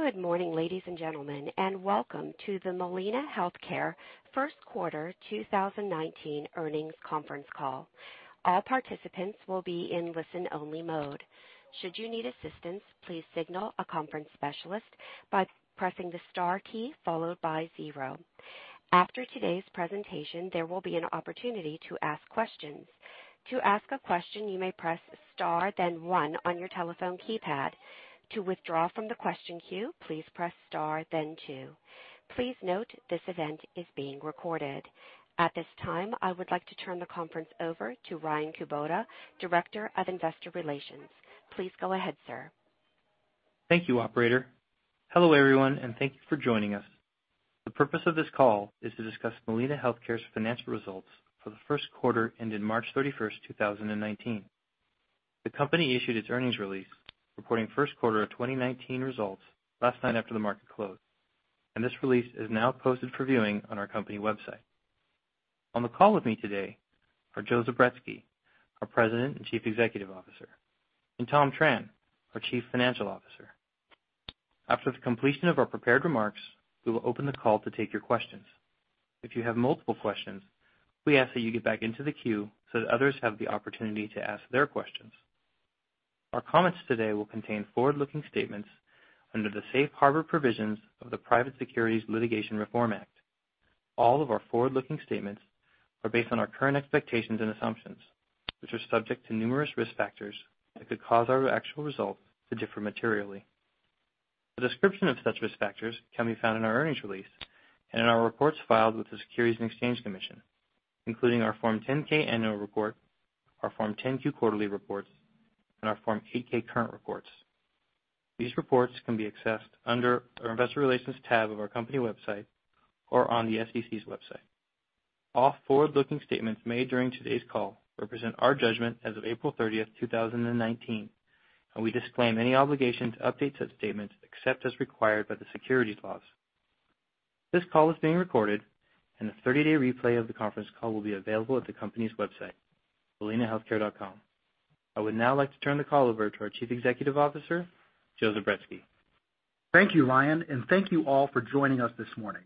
Good morning, ladies and gentlemen. Welcome to the Molina Healthcare First Quarter 2019 Earnings Conference Call. All participants will be in listen-only mode. Should you need assistance, please signal a conference specialist by pressing the star key followed by 0. After today's presentation, there will be an opportunity to ask questions. To ask a question, you may press star then 1 on your telephone keypad. To withdraw from the question queue, please press star then 2. Please note this event is being recorded. At this time, I would like to turn the conference over to Ryan Kubota, Director of Investor Relations. Please go ahead, sir. Thank you, operator. Hello, everyone. Thank you for joining us. The purpose of this call is to discuss Molina Healthcare's financial results for the first quarter ended March 31st, 2019. The company issued its earnings release reporting first quarter of 2019 results last night after the market closed. This release is now posted for viewing on our company website. On the call with me today are Joe Zubretsky, our President and Chief Executive Officer, and Tom Tran, our Chief Financial Officer. After the completion of our prepared remarks, we will open the call to take your questions. If you have multiple questions, we ask that you get back into the queue so that others have the opportunity to ask their questions. Our comments today will contain forward-looking statements under the safe harbor provisions of the Private Securities Litigation Reform Act. All of our forward-looking statements are based on our current expectations and assumptions, which are subject to numerous risk factors that could cause our actual result to differ materially. A description of such risk factors can be found in our earnings release, in our reports filed with the Securities and Exchange Commission, including our Form 10-K annual report, our Form 10-Q quarterly reports, our Form 8-K current reports. These reports can be accessed under our investor relations tab of our company website or on the SEC's website. All forward-looking statements made during today's call represent our judgment as of April 30th, 2019. We disclaim any obligation to update such statements except as required by the securities laws. This call is being recorded. A 30-day replay of the conference call will be available at the company's website, molinahealthcare.com. I would now like to turn the call over to our Chief Executive Officer, Joe Zubretsky. Thank you, Ryan, and thank you all for joining us this morning.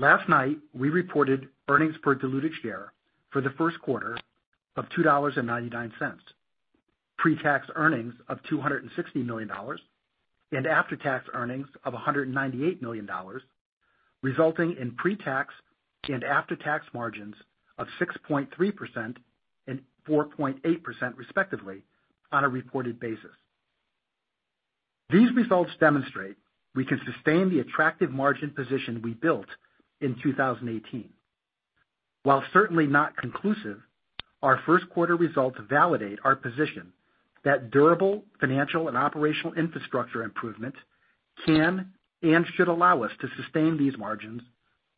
Last night, we reported earnings per diluted share for the first quarter of $2.99, pre-tax earnings of $260 million, and after-tax earnings of $198 million, resulting in pre-tax and after-tax margins of 6.3% and 4.8% respectively on a reported basis. These results demonstrate we can sustain the attractive margin position we built in 2018. While certainly not conclusive, our first quarter results validate our position that durable financial and operational infrastructure improvement can and should allow us to sustain these margins,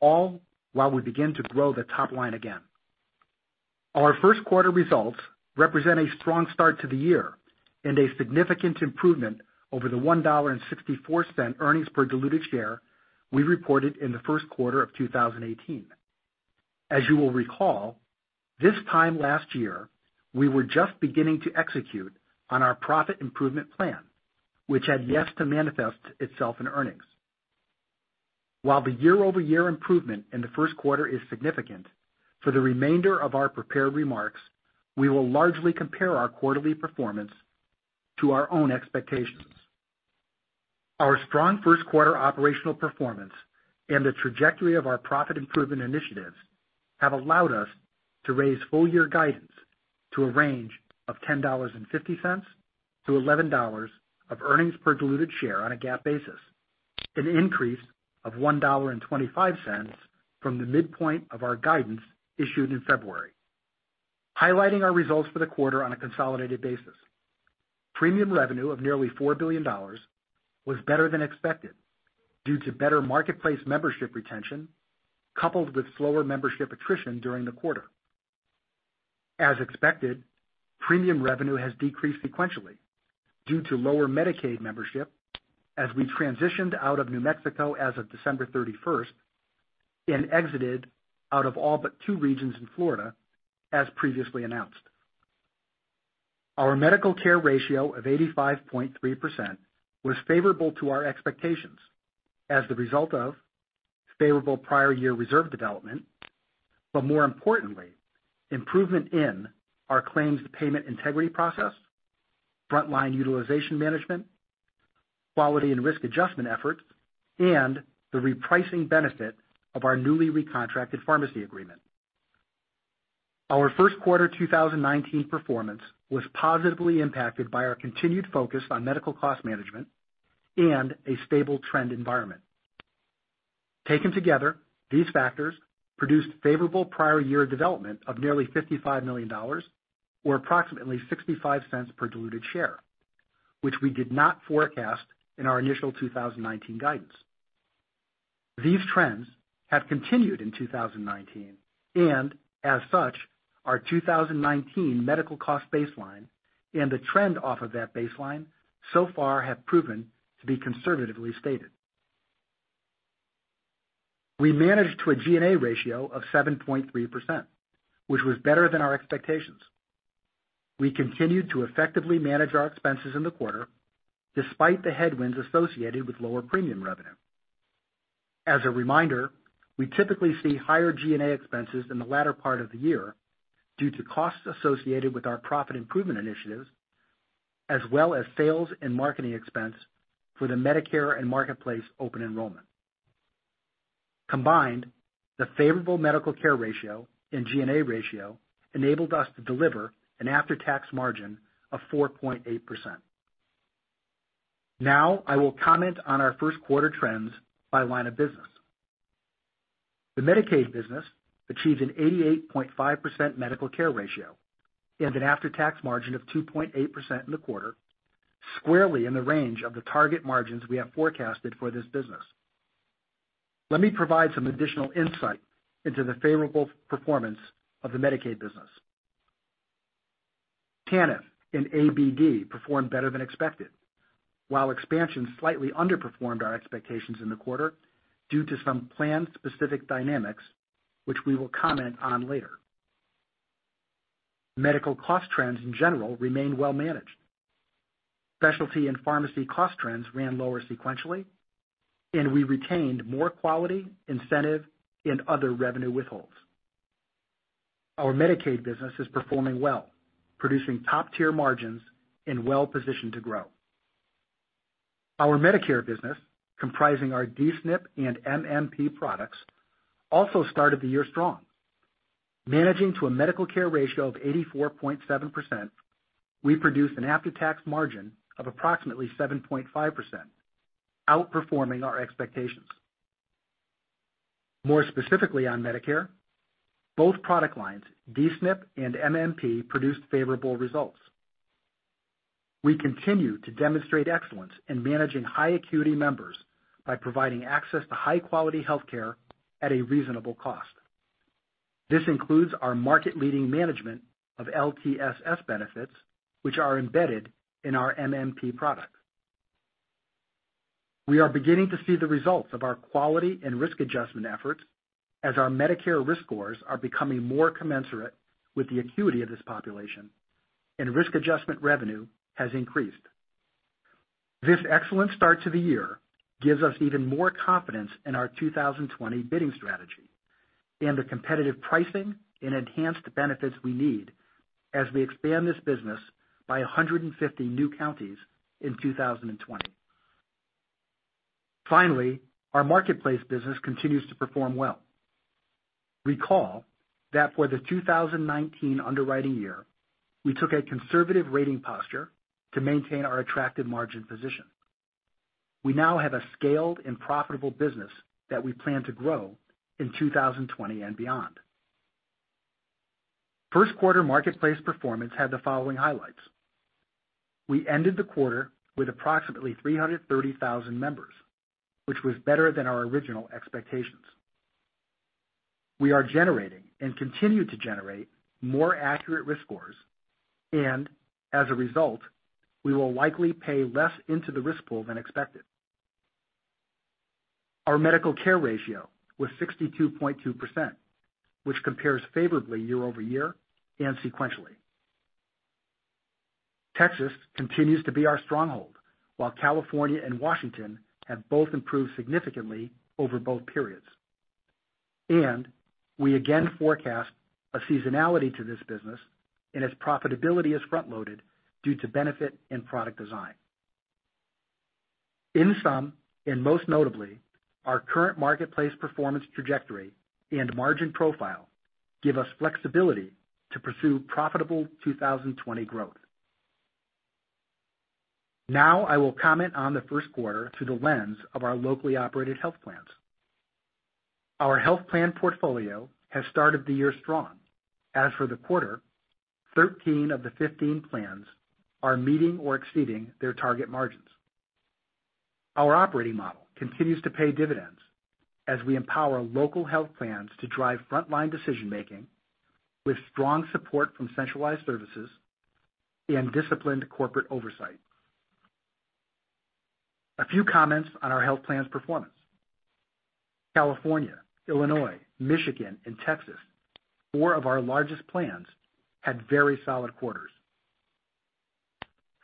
all while we begin to grow the top line again. Our first quarter results represent a strong start to the year and a significant improvement over the $1.64 earnings per diluted share we reported in the first quarter of 2018. As you will recall, this time last year, we were just beginning to execute on our profit improvement plan, which had yet to manifest itself in earnings. While the year-over-year improvement in the first quarter is significant, for the remainder of our prepared remarks, we will largely compare our quarterly performance to our own expectations. Our strong first quarter operational performance and the trajectory of our profit improvement initiatives have allowed us to raise full year guidance to a range of $10.50-$11 of earnings per diluted share on a GAAP basis, an increase of $1.25 from the midpoint of our guidance issued in February. Highlighting our results for the quarter on a consolidated basis. Premium revenue of nearly $4 billion was better than expected due to better Marketplace membership retention, coupled with slower membership attrition during the quarter. As expected, premium revenue has decreased sequentially due to lower Medicaid membership as we transitioned out of New Mexico as of December 31st and exited out of all but two regions in Florida, as previously announced. Our medical care ratio of 85.3% was favorable to our expectations as the result of favorable prior year reserve development, but more importantly, improvement in our claims payment integrity process, frontline utilization management, quality and risk adjustment efforts, and the repricing benefit of our newly recontracted pharmacy agreement. Our first quarter 2019 performance was positively impacted by our continued focus on medical cost management and a stable trend environment. Taken together, these factors produced favorable prior year development of nearly $55 million or approximately $0.65 per diluted share, which we did not forecast in our initial 2019 guidance. These trends have continued in 2019 and as such, our 2019 medical cost baseline and the trend off of that baseline so far have proven to be conservatively stated. We managed to a G&A ratio of 7.3%, which was better than our expectations. We continued to effectively manage our expenses in the quarter, despite the headwinds associated with lower premium revenue. As a reminder, we typically see higher G&A expenses in the latter part of the year due to costs associated with our profit improvement initiatives, as well as sales and marketing expense for the Medicare and Marketplace open enrollment. Combined, the favorable medical care ratio and G&A ratio enabled us to deliver an after-tax margin of 4.8%. Now, I will comment on our first quarter trends by line of business. The Medicaid business achieved an 88.5% medical care ratio and an after-tax margin of 2.8% in the quarter, squarely in the range of the target margins we have forecasted for this business. Let me provide some additional insight into the favorable performance of the Medicaid business. TANF and ABD performed better than expected, while expansion slightly underperformed our expectations in the quarter due to some plan-specific dynamics, which we will comment on later. Medical cost trends in general remained well managed. Specialty and pharmacy cost trends ran lower sequentially, and we retained more quality, incentive, and other revenue withholds. Our Medicaid business is performing well, producing top-tier margins and well positioned to grow. Our Medicare business, comprising our D-SNP and MMP products, also started the year strong. Managing to a medical care ratio of 84.7%, we produced an after-tax margin of approximately 7.5%, outperforming our expectations. More specifically on Medicare, both product lines, D-SNP and MMP, produced favorable results. We continue to demonstrate excellence in managing high acuity members by providing access to high-quality healthcare at a reasonable cost. This includes our market-leading management of LTSS benefits, which are embedded in our MMP products. We are beginning to see the results of our quality and risk adjustment efforts as our Medicare risk scores are becoming more commensurate with the acuity of this population, and risk adjustment revenue has increased. This excellent start to the year gives us even more confidence in our 2020 bidding strategy and the competitive pricing and enhanced benefits we need as we expand this business by 150 new counties in 2020. Finally, our Marketplace business continues to perform well. Recall that for the 2019 underwriting year, we took a conservative rating posture to maintain our attractive margin position. We now have a scaled and profitable business that we plan to grow in 2020 and beyond. First quarter Marketplace performance had the following highlights. We ended the quarter with approximately 330,000 members, which was better than our original expectations. We are generating and continue to generate more accurate risk scores, and as a result, we will likely pay less into the risk pool than expected. Our medical care ratio was 62.2%, which compares favorably year-over-year and sequentially. Texas continues to be our stronghold, while California and Washington have both improved significantly over both periods. We again forecast a seasonality to this business and its profitability is front-loaded due to benefit and product design. In sum, and most notably, our current Marketplace performance trajectory and margin profile give us flexibility to pursue profitable 2020 growth. Now, I will comment on the first quarter through the lens of our locally operated health plans. Our health plan portfolio has started the year strong, as for the quarter, 13 of the 15 plans are meeting or exceeding their target margins. Our operating model continues to pay dividends as we empower local health plans to drive frontline decision making with strong support from centralized services and disciplined corporate oversight. A few comments on our health plans performance. California, Illinois, Michigan, and Texas, four of our largest plans, had very solid quarters.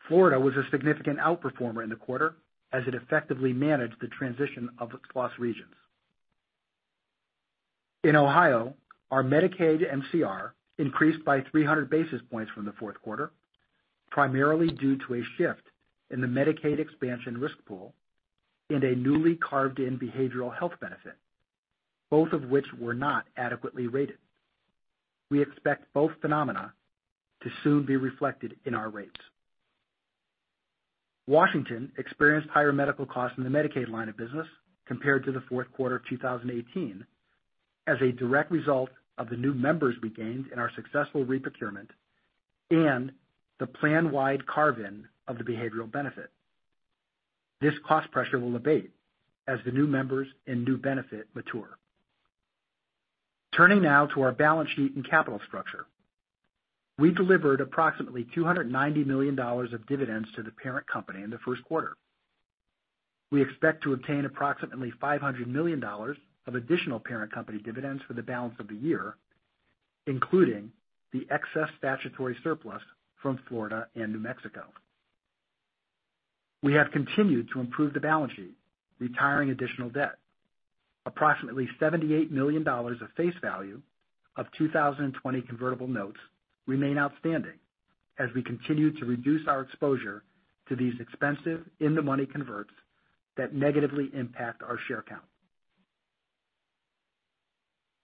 Florida was a significant outperformer in the quarter as it effectively managed the transition of its plus regions. In Ohio, our Medicaid MCR increased by 300 basis points from the fourth quarter, primarily due to a shift in the Medicaid expansion risk pool and a newly carved in behavioral health benefit, both of which were not adequately rated. We expect both phenomena to soon be reflected in our rates. Washington experienced higher medical costs in the Medicaid line of business compared to the fourth quarter of 2018, as a direct result of the new members we gained in our successful re-procurement and the plan-wide carve-in of the behavioral benefit. This cost pressure will abate as the new members and new benefit mature. Turning now to our balance sheet and capital structure. We delivered approximately $290 million of dividends to the parent company in the first quarter. We expect to obtain approximately $500 million of additional parent company dividends for the balance of the year, including the excess statutory surplus from Florida and New Mexico. We have continued to improve the balance sheet, retiring additional debt. Approximately $78 million of face value of 2020 convertible notes remain outstanding as we continue to reduce our exposure to these expensive in-the-money converts that negatively impact our share count.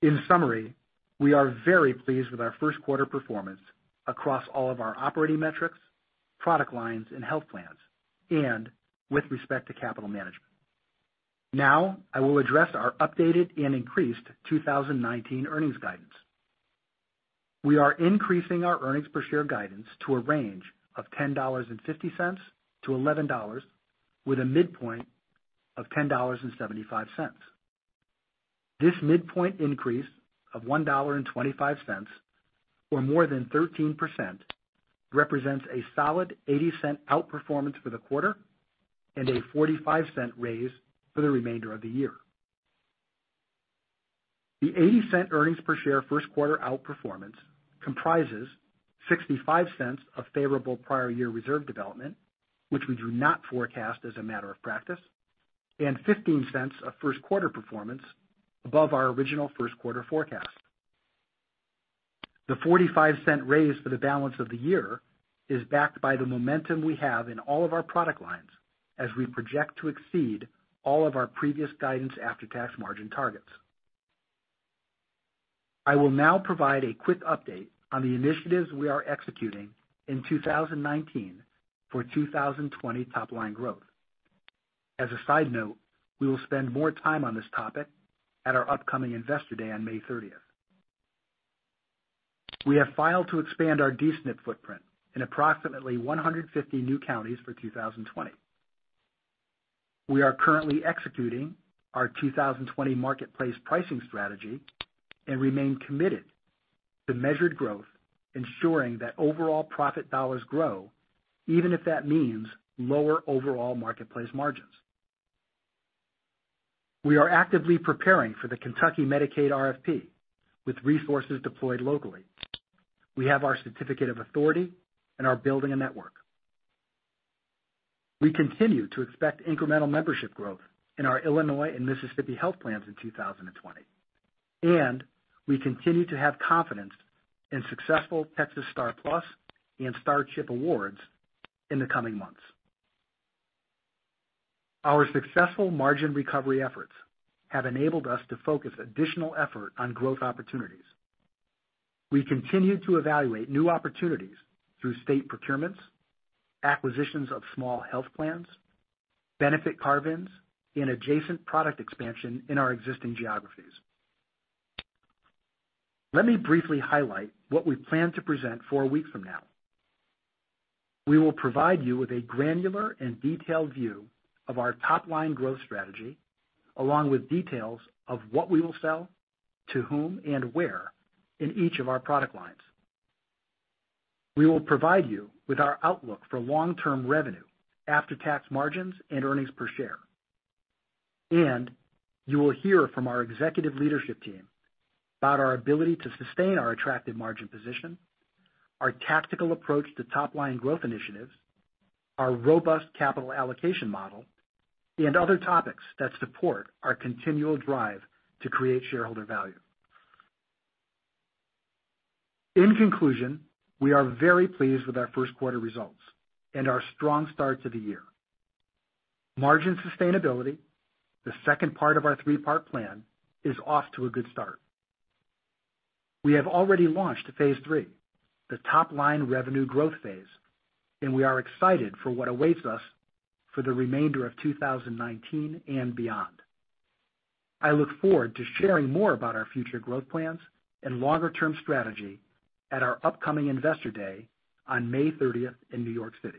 In summary, we are very pleased with our first quarter performance across all of our operating metrics, product lines, and health plans, and with respect to capital management. Now, I will address our updated and increased 2019 earnings guidance. We are increasing our earnings per share guidance to a range of $10.50-$11, with a midpoint of $10.75. This midpoint increase of $1.25 or more than 13%, represents a solid $0.80 outperformance for the quarter and a $0.45 raise for the remainder of the year. The $0.80 earnings per share first quarter outperformance comprises $0.65 of favorable prior year reserve development, which we do not forecast as a matter of practice, and $0.15 of first quarter performance above our original first quarter forecast. The $0.45 raise for the balance of the year is backed by the momentum we have in all of our product lines as we project to exceed all of our previous guidance after-tax margin targets. I will now provide a quick update on the initiatives we are executing in 2019 for 2020 top-line growth. As a side note, we will spend more time on this topic at our upcoming Investor Day on May 30th. We have filed to expand our D-SNP footprint in approximately 150 new counties for 2020. We are currently executing our 2020 Marketplace pricing strategy and remain committed to measured growth, ensuring that overall profit dollars grow, even if that means lower overall Marketplace margins. We are actively preparing for the Kentucky Medicaid RFP with resources deployed locally. We have our certificate of authority and are building a network. We continue to expect incremental membership growth in our Illinois and Mississippi health plans in 2020, and we continue to have confidence in successful Texas STAR+PLUS and STAR CHIP awards in the coming months. Our successful margin recovery efforts have enabled us to focus additional effort on growth opportunities. We continue to evaluate new opportunities through state procurements, acquisitions of small health plans, benefit carve-ins, and adjacent product expansion in our existing geographies. Let me briefly highlight what we plan to present four weeks from now. We will provide you with a granular and detailed view of our top-line growth strategy, along with details of what we will sell, to whom, and where in each of our product lines. We will provide you with our outlook for long-term revenue, after-tax margins, and earnings per share. You will hear from our executive leadership team about our ability to sustain our attractive margin position, our tactical approach to top-line growth initiatives, our robust capital allocation model, and other topics that support our continual drive to create shareholder value. In conclusion, we are very pleased with our first quarter results and our strong start to the year. Margin sustainability, the second part of our three-part plan, is off to a good start. We have already launched phase 3, the top-line revenue growth phase, and we are excited for what awaits us for the remainder of 2019 and beyond. I look forward to sharing more about our future growth plans and longer-term strategy at our upcoming Investor Day on May 30th in New York City.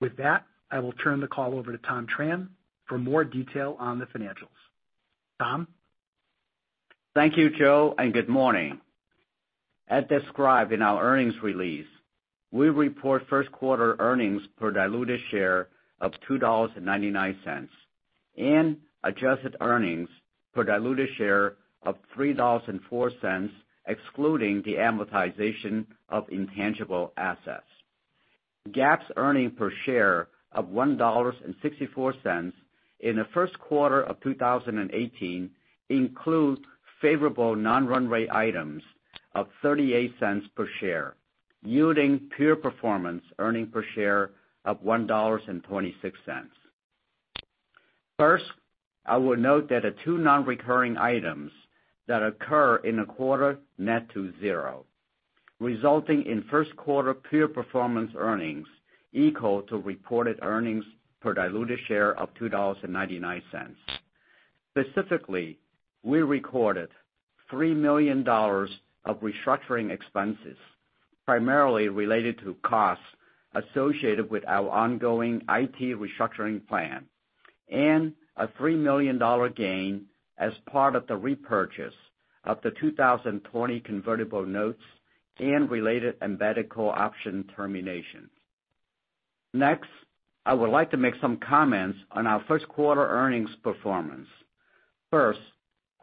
With that, I will turn the call over to Tom Tran for more detail on the financials. Tom? Thank you, Joe, and good morning. As described in our earnings release, we report first quarter earnings per diluted share of $2.99 and adjusted earnings per diluted share of $3.04, excluding the amortization of intangible assets. GAAP earnings per share of $1.64 in the first quarter of 2018 includes favorable non-run rate items of $0.38 per share, yielding pure performance earnings per share of $1.26. First, I will note that the two non-recurring items that occur in the quarter net to zero, resulting in first quarter pure performance earnings equal to reported earnings per diluted share of $2.99. Specifically, we recorded $3 million of restructuring expensesPrimarily related to costs associated with our ongoing IT restructuring plan, and a $3 million gain as part of the repurchase of the 2020 convertible notes and related embedded call option termination. Next, I would like to make some comments on our first quarter earnings performance. First,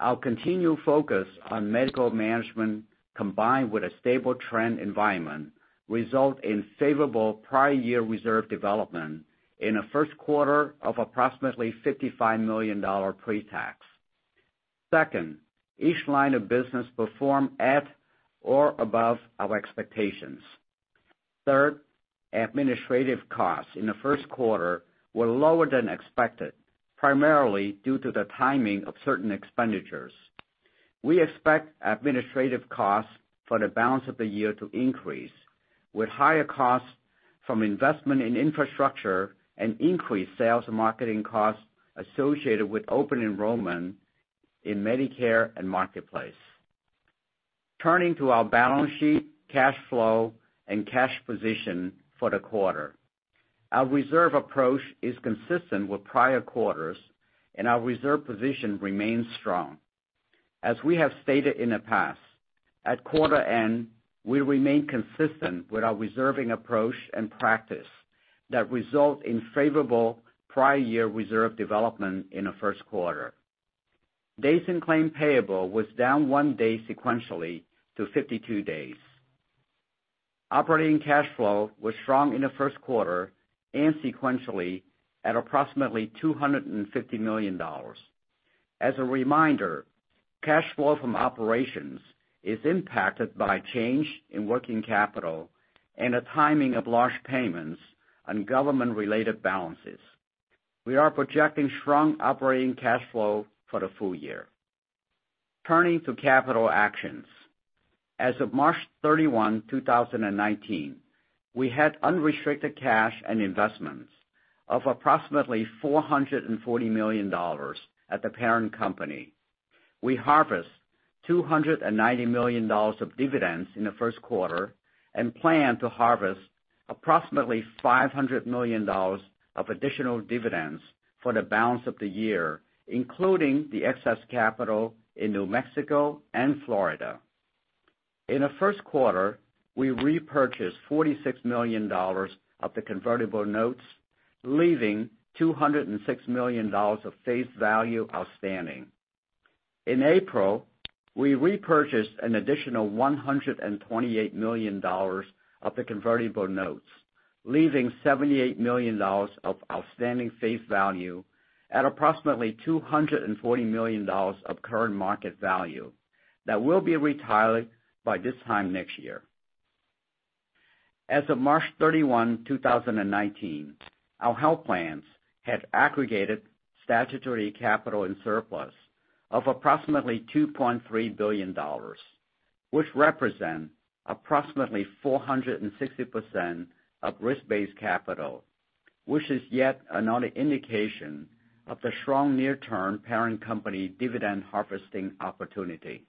our continued focus on medical management, combined with a stable trend environment, result in favorable prior year reserve development in the first quarter of approximately $55 million pre-tax. Second, each line of business performed at or above our expectations. Third, administrative costs in the first quarter were lower than expected, primarily due to the timing of certain expenditures. We expect administrative costs for the balance of the year to increase, with higher costs from investment in infrastructure and increased sales and marketing costs associated with open enrollment in Medicare and Marketplace. Turning to our balance sheet, cash flow, and cash position for the quarter. Our reserve approach is consistent with prior quarters, our reserve position remains strong. As we have stated in the past, at quarter end, we remain consistent with our reserving approach and practice that result in favorable prior year reserve development in the first quarter. Days in claim payable was down one day sequentially to 52 days. Operating cash flow was strong in the first quarter and sequentially at approximately $250 million. As a reminder, cash flow from operations is impacted by change in working capital and the timing of large payments on government-related balances. We are projecting strong operating cash flow for the full year. Turning to capital actions. As of March 31, 2019, we had unrestricted cash and investments of approximately $440 million at the parent company. We harvest $290 million of dividends in the first quarter and plan to harvest approximately $500 million of additional dividends for the balance of the year, including the excess capital in New Mexico and Florida. In the first quarter, we repurchased $46 million of the convertible notes, leaving $206 million of face value outstanding. In April, we repurchased an additional $128 million of the convertible notes, leaving $78 million of outstanding face value at approximately $240 million of current market value that will be retired by this time next year. As of March 31, 2019, our health plans had aggregated statutory capital and surplus of approximately $2.3 billion, which represent approximately 460% of risk-based capital, which is yet another indication of the strong near-term parent company dividend harvesting opportunity.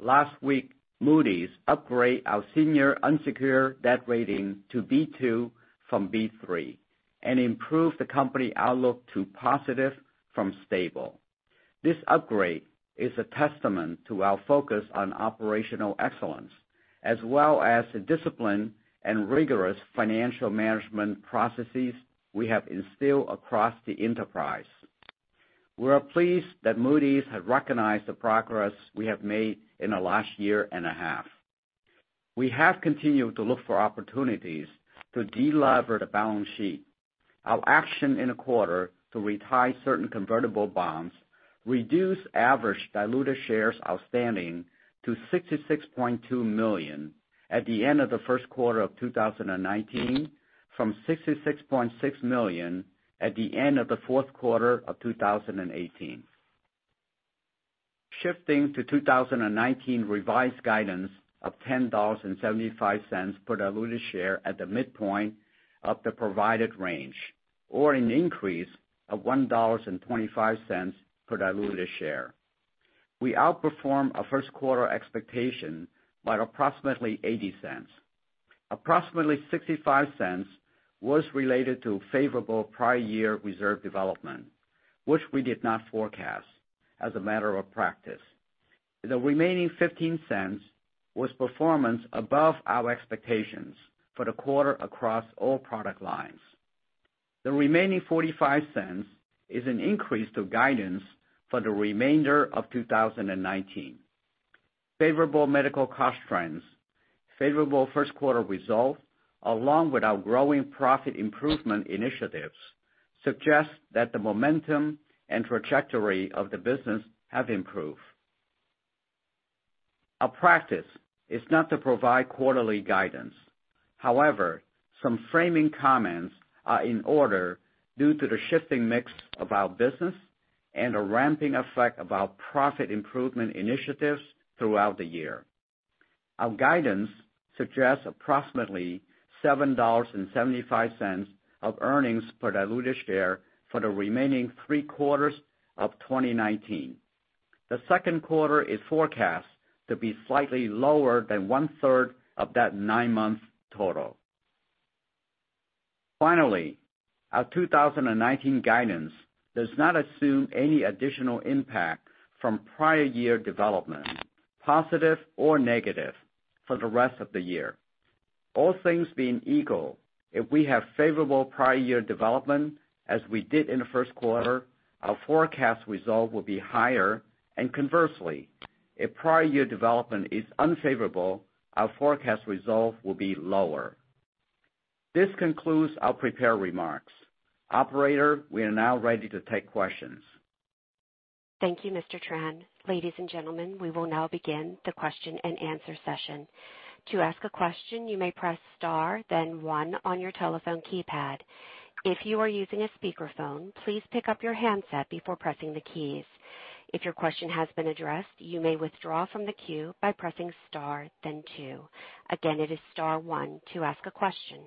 Last week, Moody's upgrade our senior unsecured debt rating to B2 from B3 and improved the company outlook to positive from stable. This upgrade is a testament to our focus on operational excellence, as well as the discipline and rigorous financial management processes we have instilled across the enterprise. We are pleased that Moody's has recognized the progress we have made in the last year and a half. We have continued to look for opportunities to delever the balance sheet. Our action in the quarter to retire certain convertible bonds reduced average diluted shares outstanding to 66.2 million at the end of the first quarter of 2019 from 66.6 million at the end of the fourth quarter of 2018. Shifting to 2019 revised guidance of $10.75 per diluted share at the midpoint of the provided range, or an increase of $1.25 per diluted share. We outperformed our first quarter expectation by approximately $0.80. Approximately $0.65 was related to favorable prior year reserve development, which we did not forecast as a matter of practice. The remaining $0.15 was performance above our expectations for the quarter across all product lines. The remaining $0.45 is an increase to guidance for the remainder of 2019. Favorable medical cost trends, favorable first quarter results, along with our growing profit improvement initiatives, suggest that the momentum and trajectory of the business have improved. Our practice is not to provide quarterly guidance. However, some framing comments are in order due to the shifting mix of our business and the ramping effect of our profit improvement initiatives throughout the year. Our guidance suggests approximately $7.75 of earnings per diluted share for the remaining three quarters of 2019. The second quarter is forecast to be slightly lower than one-third of that nine-month total. Finally, our 2019 guidance does not assume any additional impact from prior year development, positive or negative, for the rest of the year. All things being equal, if we have favorable prior year development as we did in the first quarter, our forecast result will be higher, and conversely, if prior year development is unfavorable, our forecast result will be lower. This concludes our prepared remarks. Operator, we are now ready to take questions. Thank you, Mr. Tran. Ladies and gentlemen, we will now begin the question and answer session. To ask a question, you may press star then one on your telephone keypad. If you are using a speakerphone, please pick up your handset before pressing the keys. If your question has been addressed, you may withdraw from the queue by pressing star then two. Again, it is star one to ask a question.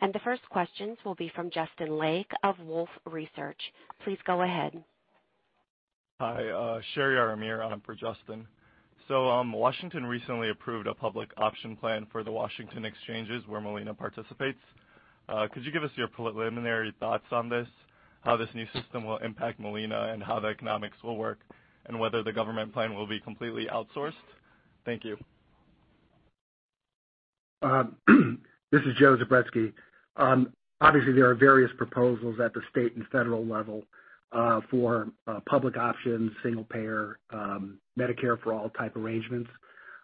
The first questions will be from Justin Lake of Wolfe Research. Please go ahead. Hi. Shehryar Amir on for Justin. Washington recently approved a public option plan for the Washington exchanges where Molina participates. Could you give us your preliminary thoughts on this, how this new system will impact Molina, and how the economics will work, and whether the government plan will be completely outsourced? Thank you. This is Joe Zubretsky. Obviously there are various proposals at the state and federal level for public option, single payer, Medicare for All type arrangements.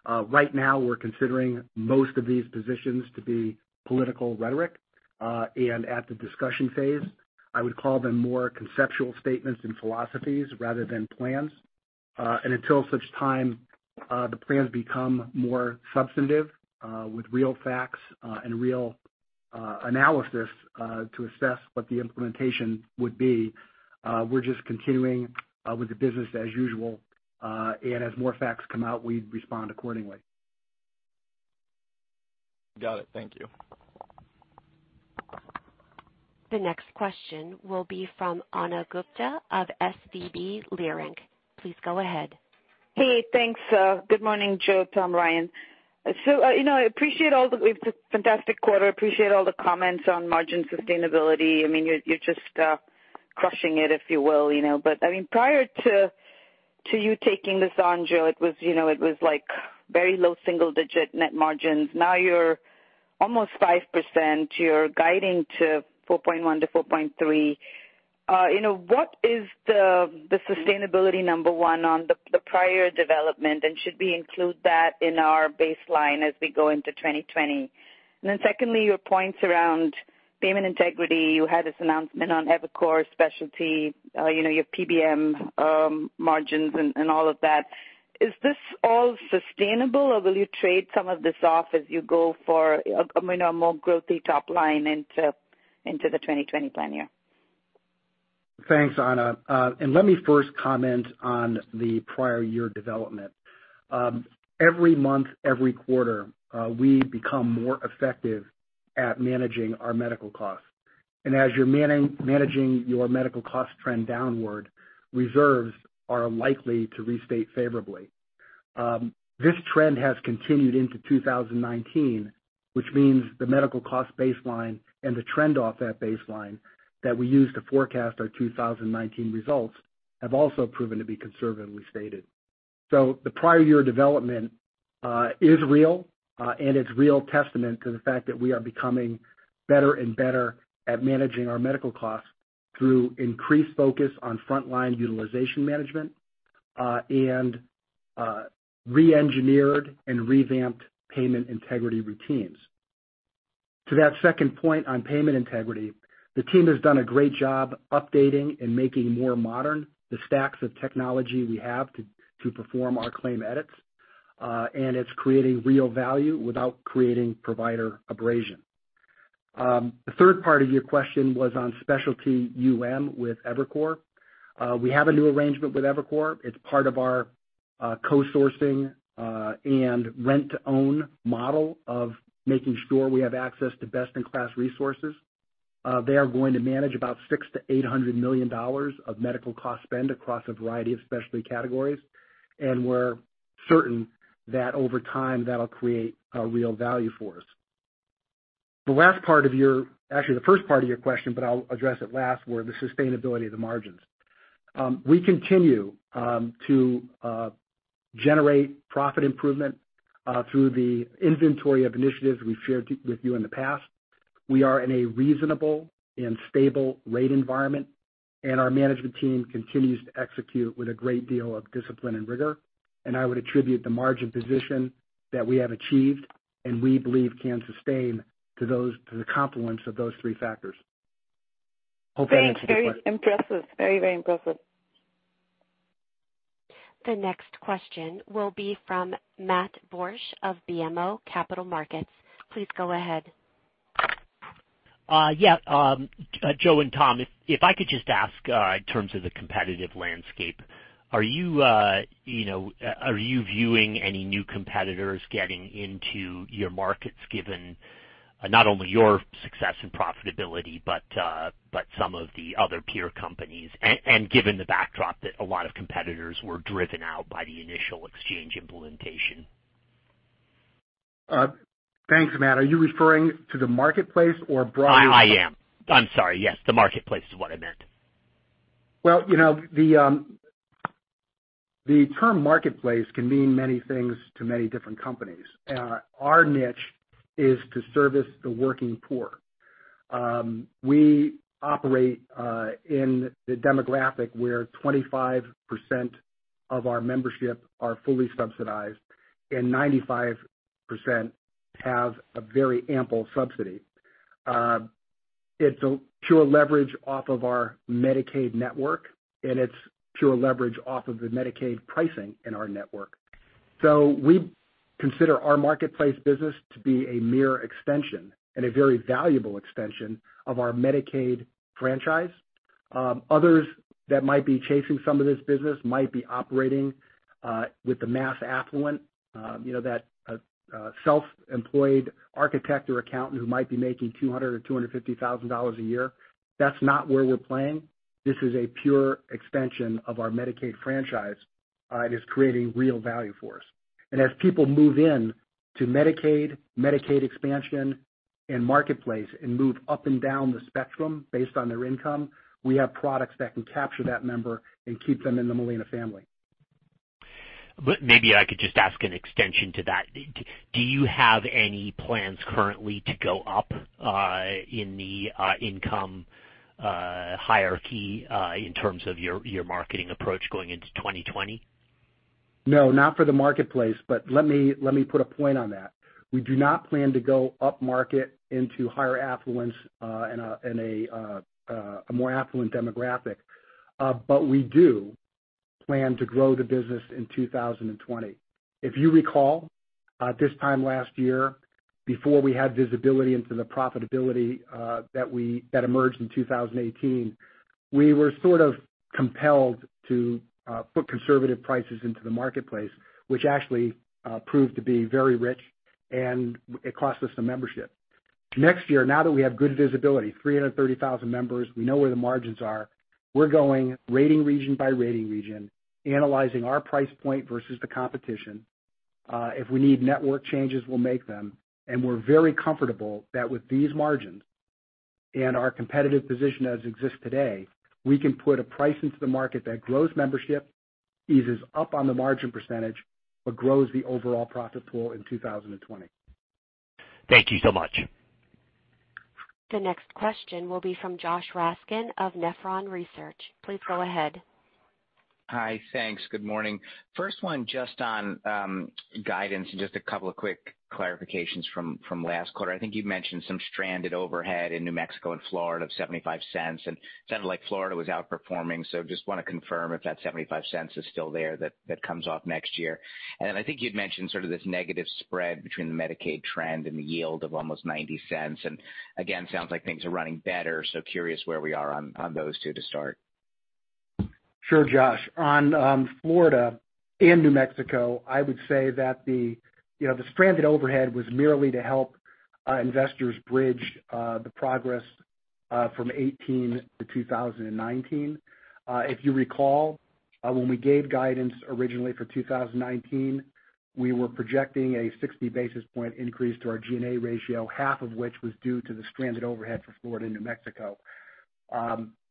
Right now, we're considering most of these positions to be political rhetoric, and at the discussion phase, I would call them more conceptual statements than philosophies rather than plans. Until such time the plans become more substantive with real facts and real analysis to assess what the implementation would be, we're just continuing with the business as usual, and as more facts come out, we'd respond accordingly. Got it. Thank you. The next question will be from Ana Gupte of SVB Leerink. Please go ahead. Hey, thanks. Good morning, Joe, Tom, Ryan. It's a fantastic quarter. Appreciate all the comments on margin sustainability. You're just crushing it, if you will. Prior to you taking this on, Joe, it was very low single digit net margins. Now you're almost 5%. You're guiding to 4.1%-4.3%. What is the sustainability, number one, on the prior development, and should we include that in our baseline as we go into 2020? Secondly, your points around payment integrity. You had this announcement on EviCore, specialty, your PBM margins and all of that. Is this all sustainable, or will you trade some of this off as you go for a more growth-y top line into the 2020 plan year? Thanks, Ana. Let me first comment on the prior year development. Every month, every quarter, we become more effective at managing our medical costs. As you're managing your medical cost trend downward, reserves are likely to restate favorably. This trend has continued into 2019, which means the medical cost baseline and the trend off that baseline that we use to forecast our 2019 results have also proven to be conservatively stated. The prior year development is real, and it's real testament to the fact that we are becoming better and better at managing our medical costs through increased focus on frontline utilization management, and re-engineered and revamped payment integrity routines. To that second point on payment integrity, the team has done a great job updating and making more modern the stacks of technology we have to perform our claim edits. It's creating real value without creating provider abrasion. The third part of your question was on specialty UM with eviCore. We have a new arrangement with eviCore. It's part of our co-sourcing and rent-to-own model of making sure we have access to best-in-class resources. They are going to manage about $600 million-$800 million of medical cost spend across a variety of specialty categories, and we're certain that over time, that'll create a real value for us. The first part of your question, but I'll address it last, were the sustainability of the margins. We continue to generate profit improvement through the inventory of initiatives we've shared with you in the past. We are in a reasonable and stable rate environment. Our management team continues to execute with a great deal of discipline and rigor. I would attribute the margin position that we have achieved and we believe can sustain to the confluence of those three factors. Hope that answered your question. Very, very impressive. The next question will be from Matthew Borsch of BMO Capital Markets. Please go ahead. Joe and Tom, if I could just ask in terms of the competitive landscape, are you viewing any new competitors getting into your markets given not only your success and profitability, but some of the other peer companies, and given the backdrop that a lot of competitors were driven out by the initial exchange implementation? Thanks, Matt. Are you referring to the Marketplace or broadly? I am. I'm sorry. Yes. The Marketplace is what I meant. The term Marketplace can mean many things to many different companies. Our niche is to service the working poor. We operate in the demographic where 25% of our membership are fully subsidized, and 95% have a very ample subsidy. It's a pure leverage off of our Medicaid network, and it's pure leverage off of the Medicaid pricing in our network. We consider our Marketplace business to be a mere extension and a very valuable extension of our Medicaid franchise. Others that might be chasing some of this business might be operating with the mass affluent. That self-employed architect or accountant who might be making $200,000 or $250,000 a year. That's not where we're playing. This is a pure extension of our Medicaid franchise. It is creating real value for us. As people move in to Medicaid expansion, and Marketplace, and move up and down the spectrum based on their income, we have products that can capture that member and keep them in the Molina family. Maybe I could just ask an extension to that. Do you have any plans currently to go up in the income hierarchy in terms of your marketing approach going into 2020? No, not for the Marketplace. Let me put a point on that. We do not plan to go upmarket into higher affluence, and a more affluent demographic. We do plan to grow the business in 2020. If you recall, at this time last year, before we had visibility into the profitability that emerged in 2018, we were sort of compelled to put conservative prices into the Marketplace, which actually proved to be very rich, and it cost us some membership. Next year, now that we have good visibility, 330,000 members, we know where the margins are. We're going rating region by rating region, analyzing our price point versus the competition. If we need network changes, we'll make them, and we're very comfortable that with these margins, and our competitive position as exists today, we can put a price into the market that grows membership, eases up on the margin percentage, but grows the overall profit pool in 2020. Thank you so much. The next question will be from Joshua Raskin of Nephron Research. Please go ahead. Hi. Thanks. Good morning. First one, just on guidance and just a couple of quick clarifications from last quarter. I think you mentioned some stranded overhead in New Mexico and Florida of $0.75, and sounded like Florida was outperforming. Just want to confirm if that $0.75 is still there that comes off next year. Then I think you'd mentioned sort of this negative spread between the Medicaid trend and the yield of almost $0.90. Again, sounds like things are running better, so curious where we are on those two to start. Sure, Josh. On Florida and New Mexico, I would say that the stranded overhead was merely to help investors bridge the progress from 2018 to 2019. If you recall, when we gave guidance originally for 2019, we were projecting a 60 basis point increase to our G&A ratio, half of which was due to the stranded overhead for Florida and New Mexico.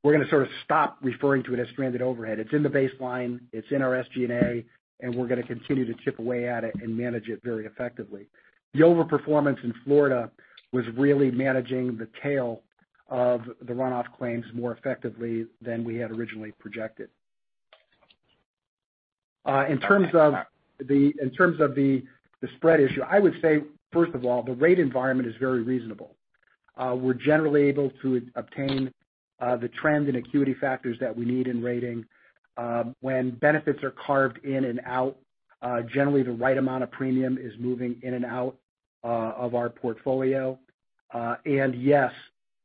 We're going to sort of stop referring to it as stranded overhead. It's in the baseline, it's in our SG&A, and we're going to continue to chip away at it and manage it very effectively. The overperformance in Florida was really managing the tail of the runoff claims more effectively than we had originally projected. In terms of the spread issue, I would say, first of all, the rate environment is very reasonable. We're generally able to obtain the trend and acuity factors that we need in rating. When benefits are carved in and out, generally, the right amount of premium is moving in and out of our portfolio. Yes,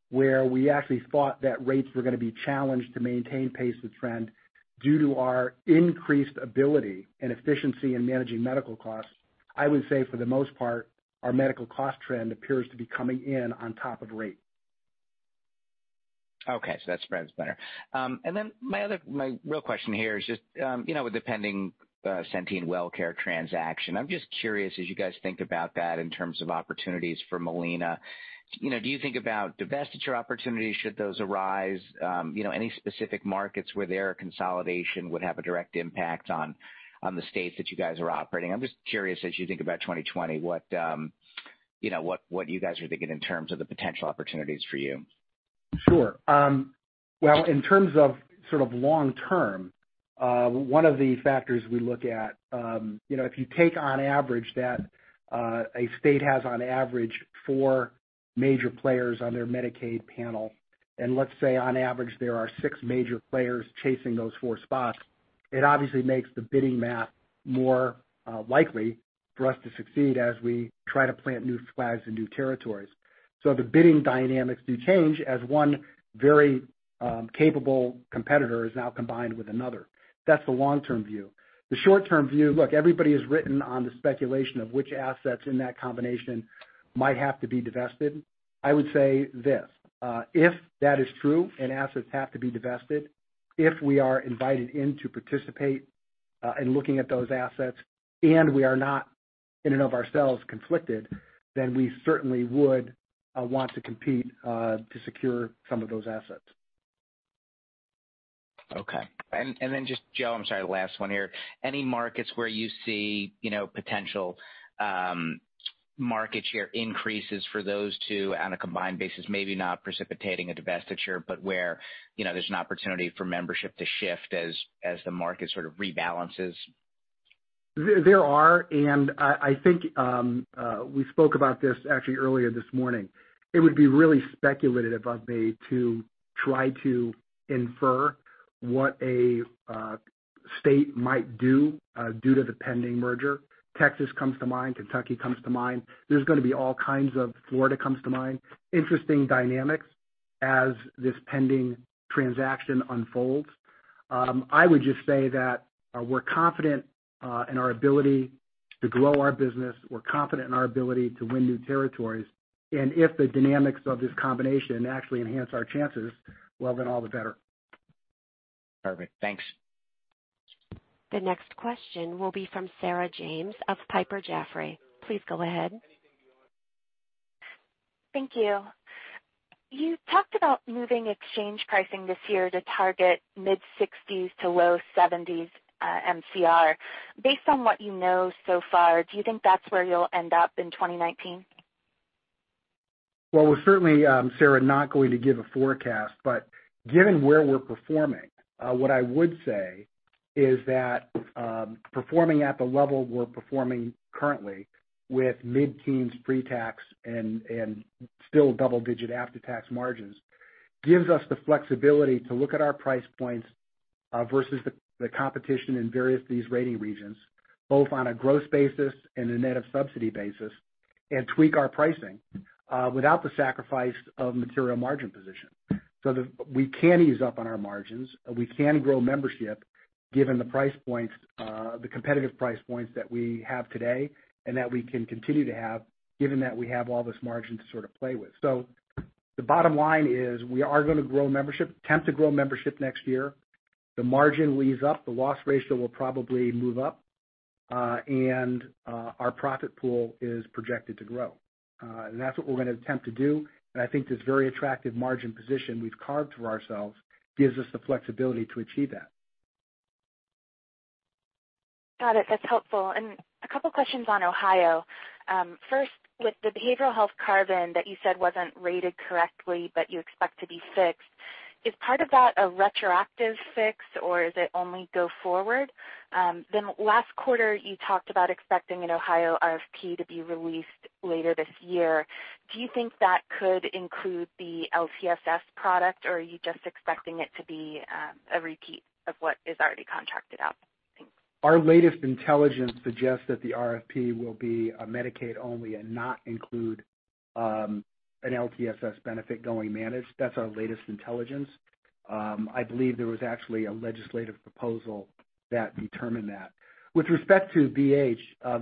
where we actually thought that rates were going to be challenged to maintain pace with trend due to our increased ability and efficiency in managing medical costs, I would say for the most part, our medical cost trend appears to be coming in on top of rate. Okay. That spreads better. My real question here is just, with the pending Centene WellCare transaction, I'm just curious as you guys think about that in terms of opportunities for Molina, do you think about divestiture opportunities, should those arise? Any specific markets where their consolidation would have a direct impact on the states that you guys are operating? I'm just curious as you think about 2020, what you guys are thinking in terms of the potential opportunities for you. Sure. Well, in terms of sort of long term, one of the factors we look at, if you take on average that a state has on average four major players on their Medicaid panel, and let's say on average there are six major players chasing those four spots, it obviously makes the bidding math more likely for us to succeed as we try to plant new flags in new territories. The bidding dynamics do change as one very capable competitor is now combined with another. That's the long-term view. The short-term view, look, everybody has written on the speculation of which assets in that combination might have to be divested. I would say this, if that is true and assets have to be divested. If we are invited in to participate in looking at those assets, and we are not, in and of ourselves conflicted, then we certainly would want to compete to secure some of those assets. Okay. Then just, Joe, I'm sorry, last one here. Any markets where you see potential market share increases for those two on a combined basis? Maybe not precipitating a divestiture, but where there's an opportunity for membership to shift as the market sort of rebalances? There are, I think we spoke about this actually earlier this morning. It would be really speculative of me to try to infer what a state might do due to the pending merger. Texas comes to mind. Kentucky comes to mind. Florida comes to mind, interesting dynamics as this pending transaction unfolds. I would just say that we're confident in our ability to grow our business. We're confident in our ability to win new territories. If the dynamics of this combination actually enhance our chances, well, then all the better. Perfect. Thanks. The next question will be from Sarah James of Piper Jaffray. Please go ahead. Thank you. You talked about moving exchange pricing this year to target mid-60s to low 70s MCR. Based on what you know so far, do you think that's where you'll end up in 2019? Well, we're certainly, Sarah, not going to give a forecast. Given where we're performing, what I would say is that performing at the level we're performing currently with mid-teens pre-tax and still double-digit after-tax margins, gives us the flexibility to look at our price points versus the competition in various rating regions, both on a gross basis and a net of subsidy basis, and tweak our pricing without the sacrifice of material margin position. We can ease up on our margins. We can grow membership given the competitive price points that we have today, and that we can continue to have, given that we have all this margin to sort of play with. The bottom line is we are going to grow membership, attempt to grow membership next year. The margin leaves up. The loss ratio will probably move up. Our profit pool is projected to grow. That's what we're going to attempt to do. I think this very attractive margin position we've carved for ourselves gives us the flexibility to achieve that. Got it. That's helpful. A couple of questions on Ohio. First, with the behavioral health carve-in that you said wasn't rated correctly, but you expect to be fixed, is part of that a retroactive fix or is it only go forward? Last quarter, you talked about expecting an Ohio RFP to be released later this year. Do you think that could include the LTSS product, or are you just expecting it to be a repeat of what is already contracted out? Thanks. Our latest intelligence suggests that the RFP will be a Medicaid only and not include an LTSS benefit going managed. That's our latest intelligence. I believe there was actually a legislative proposal that determined that. With respect to BH, the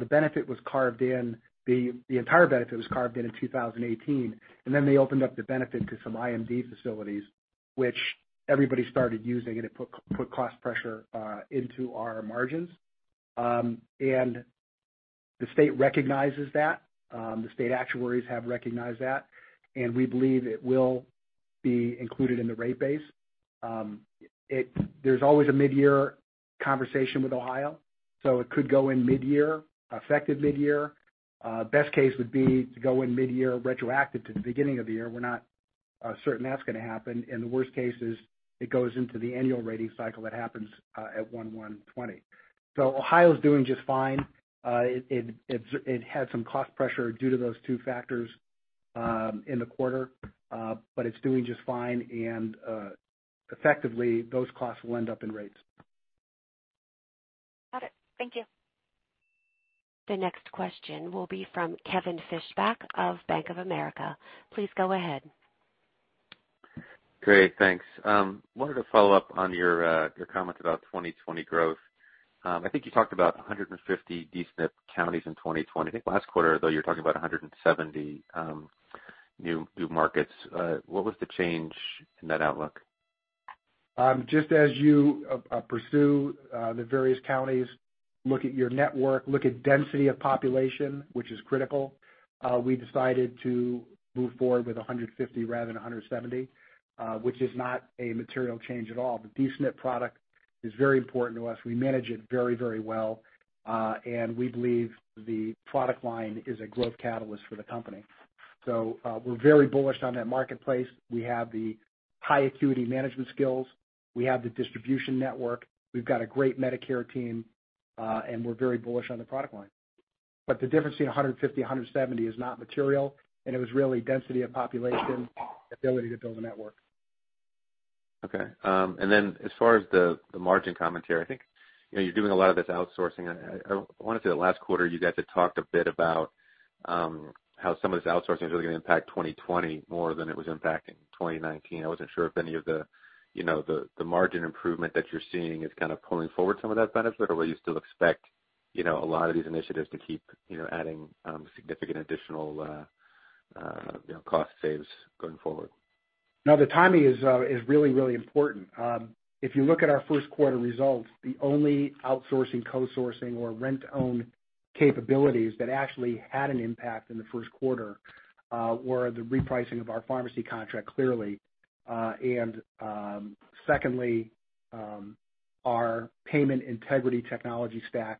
entire benefit was carved in 2018. They opened up the benefit to some IMD facilities, which everybody started using, and it put cost pressure into our margins. The state recognizes that. The state actuaries have recognized that, and we believe it will be included in the rate base. There's always a mid-year conversation with Ohio. It could go in mid-year, effective mid-year. Best case would be to go in mid-year retroactive to the beginning of the year. We're not certain that's going to happen. The worst case is it goes into the annual rating cycle that happens at 1/1/2020. Ohio's doing just fine. It had some cost pressure due to those two factors in the quarter. It's doing just fine, and effectively, those costs will end up in rates. Got it. Thank you. The next question will be from Kevin Fischbeck of Bank of America. Please go ahead. Great. Thanks. Wanted to follow up on your comment about 2020 growth. I think you talked about 150 D-SNP counties in 2020. I think last quarter, though, you were talking about 170 new markets. What was the change in that outlook? Just as you pursue the various counties, look at your network, look at density of population, which is critical, we decided to move forward with 150 rather than 170, which is not a material change at all. The D-SNP product is very important to us. We manage it very well. We believe the product line is a growth catalyst for the company. We're very bullish on that Marketplace. We have the high acuity management skills. We have the distribution network. We've got a great Medicare team. We're very bullish on the product line. The difference between 150, 170 is not material, and it was really density of population, ability to build a network. Okay. As far as the margin commentary, I think you're doing a lot of this outsourcing. I want to say that last quarter you guys had talked a bit about how some of this outsourcing is really going to impact 2020 more than it was impacting 2019. I wasn't sure if any of the margin improvement that you're seeing is kind of pulling forward some of that benefit, or will you still expect a lot of these initiatives to keep adding significant additional cost saves going forward. No, the timing is really, really important. If you look at our first quarter results, the only outsourcing, co-sourcing or rent-to-own capabilities that actually had an impact in the first quarter were the repricing of our pharmacy contract, clearly, and secondly, our payment integrity technology stack,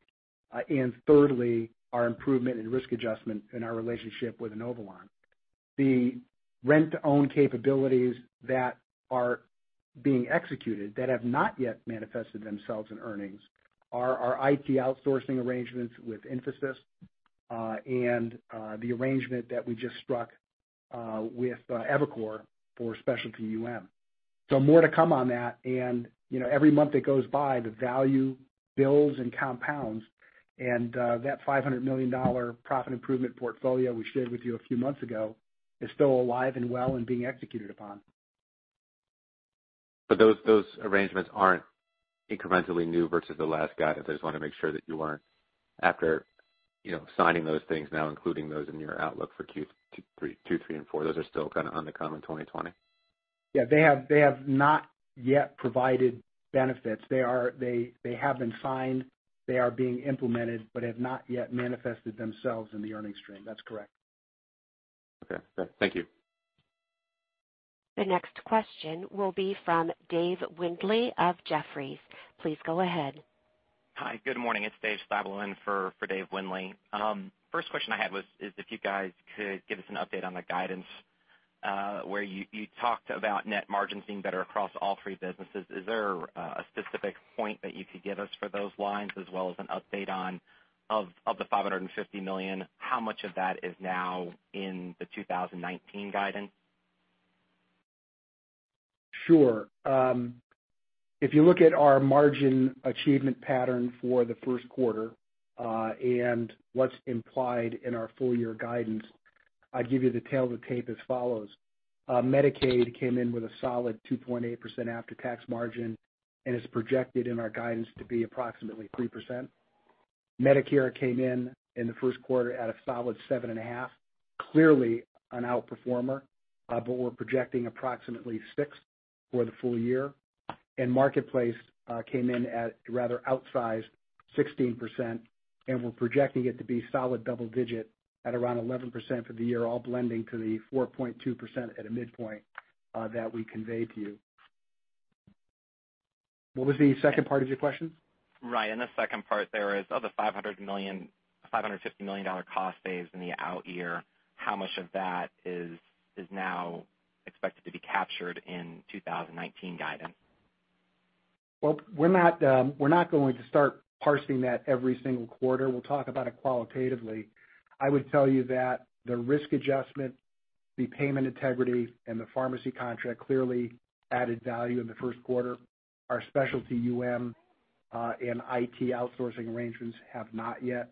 and thirdly, our improvement in risk adjustment in our relationship with Inovalon. The rent-to-own capabilities that are being executed that have not yet manifested themselves in earnings are our IT outsourcing arrangements with Infosys, and the arrangement that we just struck with eviCore for specialty UM. More to come on that, and every month that goes by, the value builds and compounds, and that $500 million profit improvement portfolio we shared with you a few months ago is still alive and well and being executed upon. Those arrangements aren't incrementally new versus the last guide. I just want to make sure that you aren't, after signing those things now including those in your outlook for Q2, 3 and 4, those are still kind of on the come in 2020? Yeah, they have not yet provided benefits. They have been signed, they are being implemented, but have not yet manifested themselves in the earnings stream. That's correct. Okay. Thank you. The next question will be from David Windley of Jefferies. Please go ahead. Hi, good morning. It's Dave Styblo in for David Windley. First question I had was if you guys could give us an update on the guidance, where you talked about net margins being better across all three businesses. Is there a specific point that you could give us for those lines as well as an update on, of the $550 million, how much of that is now in the 2019 guidance? Sure. If you look at our margin achievement pattern for the first quarter, and what's implied in our full year guidance, I'd give you the tale of the tape as follows. Medicaid came in with a solid 2.8% after-tax margin and is projected in our guidance to be approximately 3%. Medicare came in in the first quarter at a solid 7.5%, clearly an outperformer. We're projecting approximately 6% for the full year. Marketplace came in at a rather outsized 16%, and we're projecting it to be solid double digit at around 11% for the year, all blending to the 4.2% at a midpoint that we conveyed to you. What was the second part of your question? Right. The second part there is of the $550 million cost saves in the out year, how much of that is now expected to be captured in 2019 guidance? Well, we're not going to start parsing that every single quarter. We'll talk about it qualitatively. I would tell you that the risk adjustment, the payment integrity, and the pharmacy contract clearly added value in the first quarter. Our specialty UM, and IT outsourcing arrangements have not yet.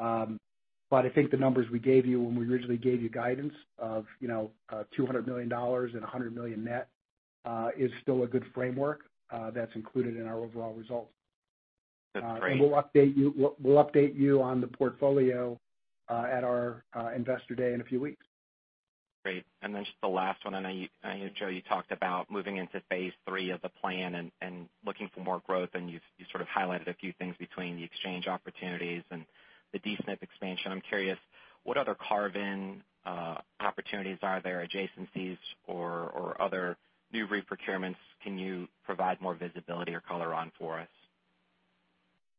I think the numbers we gave you when we originally gave you guidance of $200 million and $100 million net, is still a good framework that's included in our overall results. That's great. We'll update you on the portfolio at our Investor Day in a few weeks. Great, then just the last one, I know, Joe, you talked about moving into phase 3 of the plan and looking for more growth, and you sort of highlighted a few things between the exchange opportunities and the D-SNP expansion. I'm curious, what other carve-in opportunities are there, adjacencies or other new re-procurements can you provide more visibility or color on for us?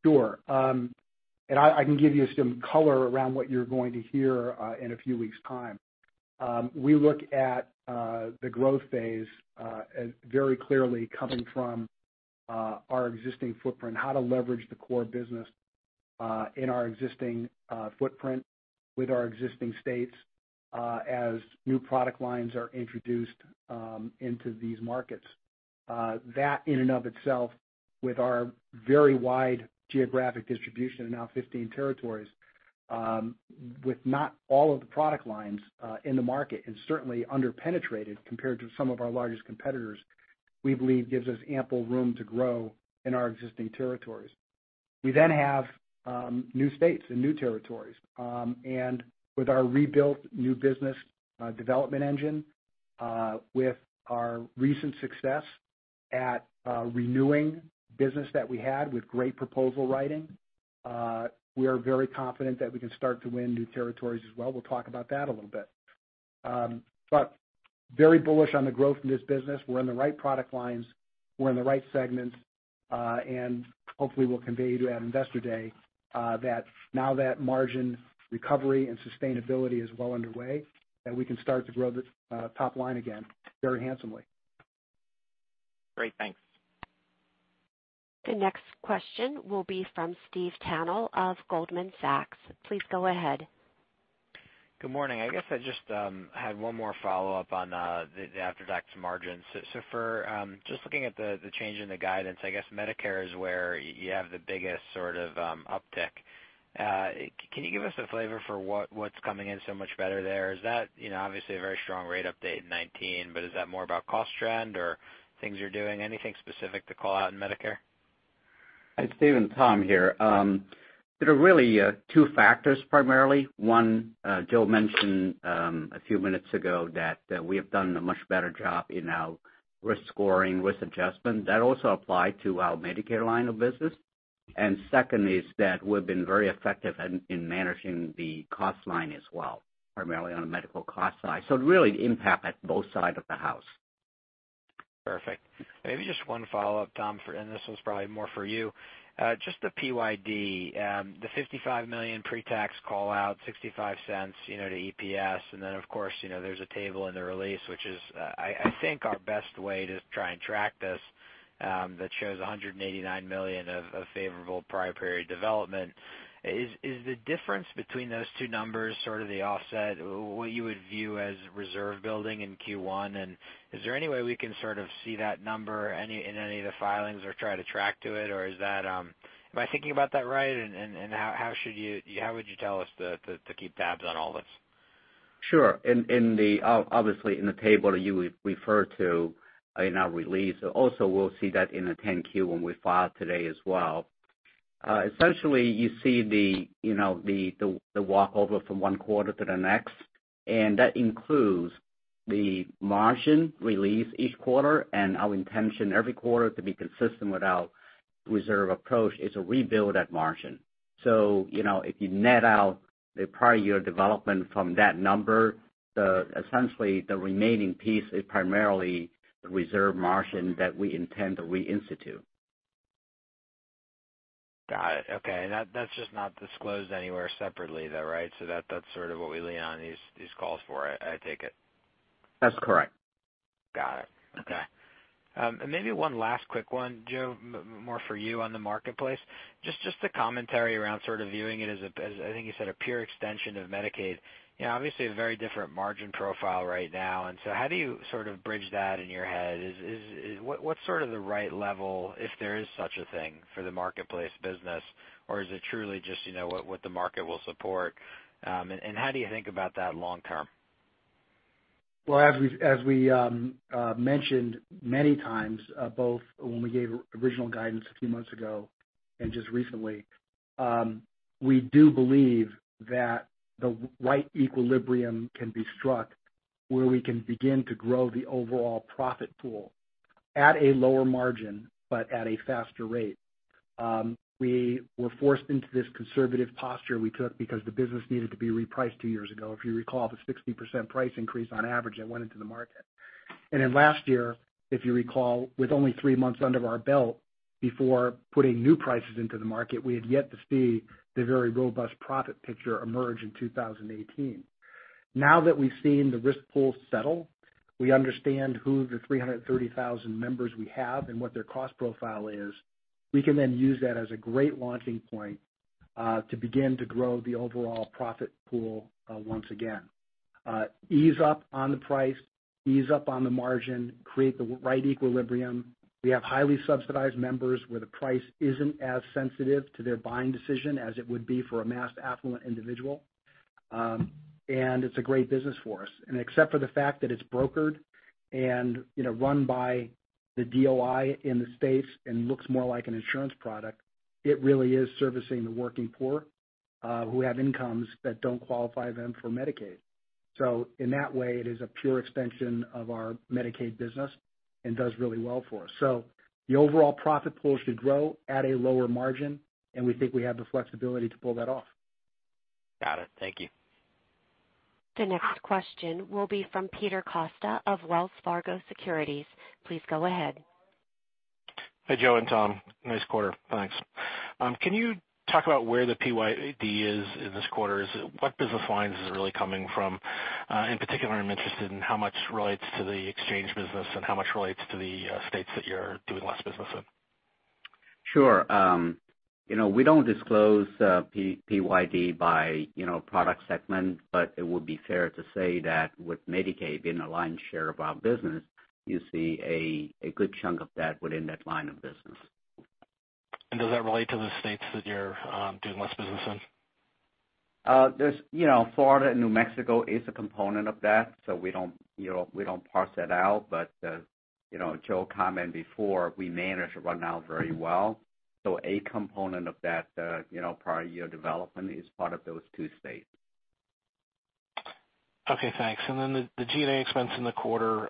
Sure. I can give you some color around what you're going to hear in a few weeks' time. We look at the growth phase very clearly coming from our existing footprint, how to leverage the core business in our existing footprint with our existing states, as new product lines are introduced into these markets. That in and of itself, with our very wide geographic distribution in now 15 territories, with not all of the product lines in the market, and certainly under-penetrated compared to some of our largest competitors, we believe gives us ample room to grow in our existing territories. We then have new states and new territories. With our rebuilt new business development engine, with our recent success at renewing business that we had with great proposal writing, we are very confident that we can start to win new territories as well. We'll talk about that a little bit. Very bullish on the growth in this business. We're in the right product lines. We're in the right segments. Hopefully, we'll convey to you at Investor Day that now that margin recovery and sustainability is well underway, that we can start to grow the top line again very handsomely. Great. Thanks. The next question will be from Stephen Tanal of Goldman Sachs. Please go ahead. Good morning. I guess I just had one more follow-up on the after-tax margins. For just looking at the change in the guidance, I guess Medicare is where you have the biggest sort of uptick. Can you give us a flavor for what's coming in so much better there? Is that, obviously, a very strong rate update in 2019, but is that more about cost trend or things you're doing? Anything specific to call out in Medicare? Hi Stephen, Tom here. There are really two factors, primarily. One, Joe mentioned a few minutes ago that we have done a much better job in our risk scoring, risk adjustment. That also applied to our Medicare line of business. Second is that we've been very effective in managing the cost line as well, primarily on the medical cost side. Really the impact at both sides of the house. Perfect. Maybe just one follow-up, Tom, and this one's probably more for you. Just the PYD, the $55 million pre-tax call out, $0.65 to EPS. Then, of course, there's a table in the release, which is, I think, our best way to try and track this, that shows $189 million of favorable prior period development. Is the difference between those two numbers sort of the offset, what you would view as reserve building in Q1, and is there any way we can sort of see that number in any of the filings or try to track to it? Am I thinking about that right, and how would you tell us to keep tabs on all this? Sure. Obviously, in the table you referred to in our release, also we'll see that in the 10-Q when we file today as well. Essentially, you see the walk-over from one quarter to the next, and that includes the margin release each quarter, and our intention every quarter to be consistent with our reserve approach is to rebuild that margin. If you net out the prior year development from that number, essentially the remaining piece is primarily the reserve margin that we intend to reinstitute. Got it. Okay. That's just not disclosed anywhere separately, though, right? That's sort of what we lean on these calls for, I take it. That's correct. Got it. Okay. Maybe one last quick one, Joe, more for you on the Marketplace. Just a commentary around sort of viewing it as, I think you said, a pure extension of Medicaid. Obviously a very different margin profile right now, so how do you sort of bridge that in your head? What's sort of the right level, if there is such a thing, for the Marketplace business? Or is it truly just what the market will support? How do you think about that long term? Well, as we mentioned many times, both when we gave original guidance a few months ago and just recently, we do believe that the right equilibrium can be struck where we can begin to grow the overall profit pool at a lower margin, but at a faster rate. We were forced into this conservative posture we took because the business needed to be repriced two years ago. If you recall, the 60% price increase on average that went into the market. Last year, if you recall, with only three months under our belt before putting new prices into the market, we had yet to see the very robust profit picture emerge in 2018. Now that we've seen the risk pool settle, we understand who the 330,000 members we have and what their cost profile is. We can then use that as a great launching point to begin to grow the overall profit pool once again. Ease up on the price, ease up on the margin, create the right equilibrium. We have highly subsidized members where the price isn't as sensitive to their buying decision as it would be for a mass affluent individual. It's a great business for us. Except for the fact that it's brokered and run by the DOI in the states and looks more like an insurance product, it really is servicing the working poor, who have incomes that don't qualify them for Medicaid. In that way, it is a pure extension of our Medicaid business and does really well for us. The overall profit pool should grow at a lower margin, and we think we have the flexibility to pull that off. Got it. Thank you. The next question will be from Peter Costa of Wells Fargo Securities. Please go ahead. Hi, Joe and Tom. Nice quarter, thanks. Can you talk about where the PYD is in this quarter? What business lines is it really coming from? In particular, I'm interested in how much relates to the exchange business and how much relates to the states that you're doing less business in. Sure. We don't disclose PYD by product segment, but it would be fair to say that with Medicaid being a lion's share of our business, you see a good chunk of that within that line of business. Does that relate to the states that you're doing less business in? Florida and New Mexico is a component of that. We don't parse that out. As Joe commented before, we managed to run out very well. A component of that prior year development is part of those two states. Okay, thanks. The G&A expense in the quarter,